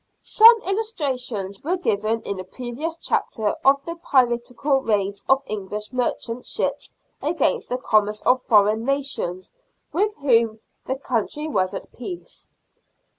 Some illustrations were given in a previous chapter of the piratical raids of English merchant ships against the <:ommerce of foreign nations with whom the country was at peace.